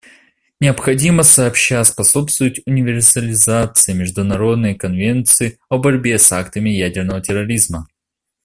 Необходимо сообща способствовать универсализации Международной конвенции о борьбе с актами ядерного терроризма.